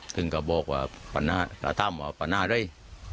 ซึ่งก็บอกว่าข้าทำว่าประนาฮิต